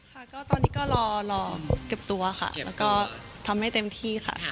ค่ะก็ตอนนี้ก็รอเก็บตัวค่ะแล้วก็ทำให้เต็มที่ค่ะ